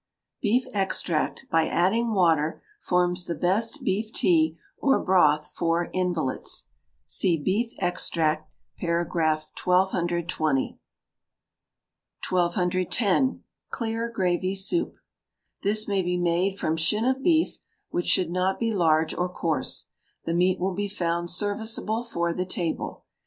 Beef extract, by adding water, forms the best beef tea or broth for invalids. (See BEEF EXTRACT, par. 1226.) 1210. Clear Gravy Soup This may be made from shin of beef, which should not be large or coarse. The meat will be found serviceable for the table.